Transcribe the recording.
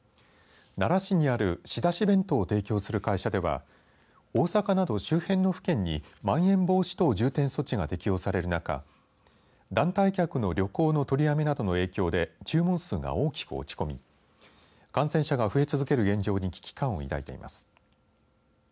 奈良市にある仕出し弁当を提供する会社では大阪など周辺の府県にまん延防止等重点措置が適用される中団体客の旅行の取りやめなどの影響で注文数が大きく落ち込み感染者が増え続ける現状に危機感を抱いています。